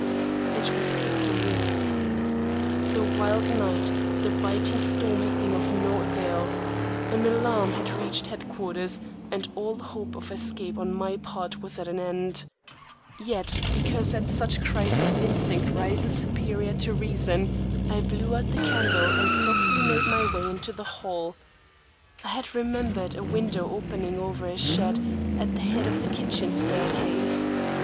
It was the police. The wild night, the biting storm had been of no avail. An alarm had reached headquarters, and all hope of escape on my part was at an end. Yet because at such crises instinct rises superior to reason, I blew out the candle and softly made my way into the hall. I had remembered a window opening over a shed at the head of the kitchen staircase.